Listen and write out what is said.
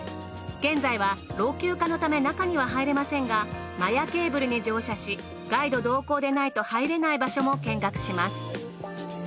現在は老朽化のため中には入れませんが摩耶ケーブルに乗車しガイド同行でないと入れない場所も見学します。